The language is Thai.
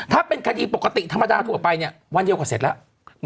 ถ้าเป็นคดีปกติธรรมดาทั่วไปเนี่ยวันเดียวก็เสร็จแล้ว